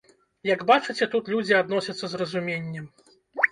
Як бачыце, тут людзі адносяцца з разуменнем.